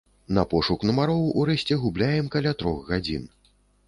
На пошук нумароў урэшце губляем каля трох гадзін.